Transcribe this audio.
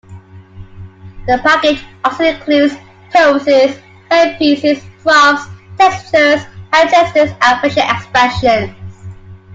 The package also includes poses, hair pieces, props, textures, hand gestures and facial expressions.